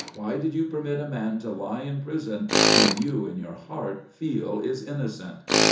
Why did you permit a man to lie in prison whom you in your heart feel is innocent?